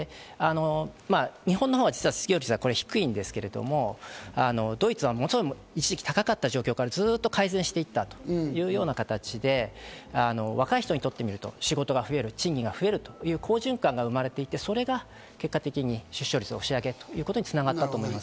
日本のほうが失業率は低いんですけれども、ドイツは一時期高かった状況から改善していったという状況で、若い人にとってみると仕事が増える、賃金が増えるという好循環が生まれていって、それが結果的に出生率を押し上げたと思います。